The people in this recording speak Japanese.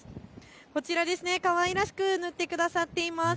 こちら、かわいらしく塗ってくださっています。